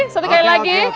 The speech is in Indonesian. satu kali lagi